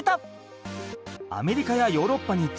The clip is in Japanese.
アメリカやヨーロッパに中南米。